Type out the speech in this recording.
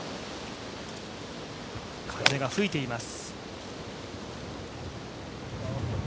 風が吹いています。